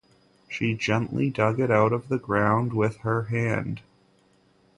She gently dug it out of the ground with her hand.